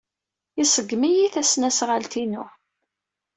Iṣeggem-iyi tasnasɣalt-inu.